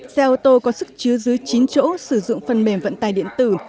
xe ô tô có sức chứa dưới chín chỗ sử dụng phần mềm vận tải điện tử